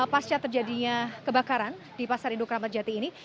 pasca terjadinya kebakaran di pasar indokramat jati ini